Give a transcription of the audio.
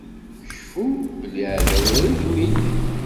Cfu belli aɛdaw irgem-ik.